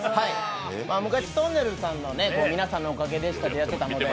昔、とんねるずさんの「みなさんのおかげでした」でやってたんです。